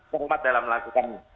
sermat dalam melakukan